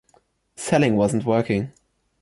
Selling wasn't working